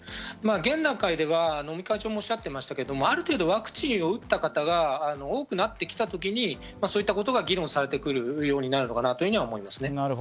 現段階では尾身会長もおっしゃっていましたが、ある程度ワクチンを打った方が多くなってきたときに、そういったことが議論されるようになるかなと思います。